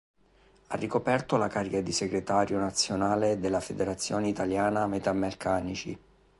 Ha ricoperto la carica di Segretario nazionale della Federazione Italiana Metalmeccanici.